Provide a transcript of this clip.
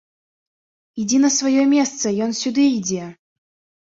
Ідзі на сваё месца, ён сюды ідзе!